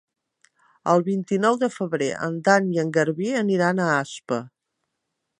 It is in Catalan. El vint-i-nou de febrer en Dan i en Garbí aniran a Aspa.